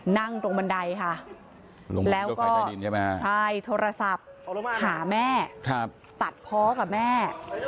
นั่งตรงบันไดค่ะแล้วก็ใช่โทรศัพท์หาแม่ตัดเพาะกับแม่